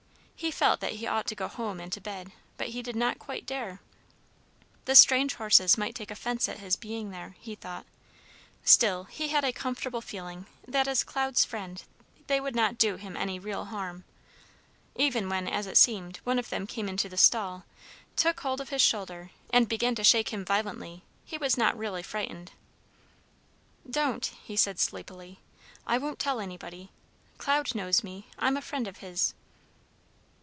He felt that he ought to go home and to bed, but he did not quite dare. The strange horses might take offence at his being there, he thought; still, he had a comfortable feeling that as Cloud's friend they would not do him any real harm. Even when, as it seemed, one of them came into the stall, took hold of his shoulder, and began to shake him violently, he was not really frightened. "Don't!" he said sleepily. "I won't tell anybody. Cloud knows me. I'm a friend of his."